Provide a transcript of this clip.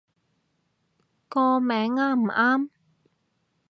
個名啱唔啱